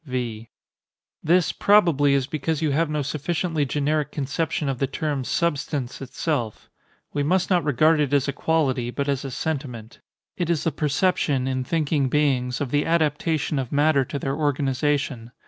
V. This, probably, is because you have no sufficiently generic conception of the term "substance" itself. We must not regard it as a quality, but as a sentiment:—it is the perception, in thinking beings, of the adaptation of matter to their organization.